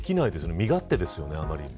身勝手ですよね、あまりにね。